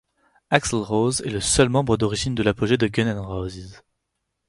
Axl Rose est le seul membre d'origine de l'apogée de Guns N' Roses.